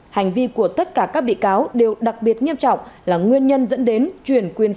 hành vi của tất cả các bị cáo đều đặc biệt nghiêm trọng là nguyên nhân dẫn đến